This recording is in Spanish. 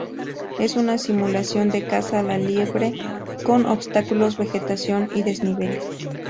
Es una simulación de caza a la liebre con obstáculos, vegetación y desniveles.